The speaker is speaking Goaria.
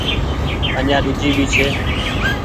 آڃآن ۮوجهي ڀي ڇي ۔